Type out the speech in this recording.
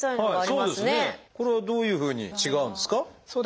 これはどういうふうに違うんですか？